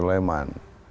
dan pak sulaiman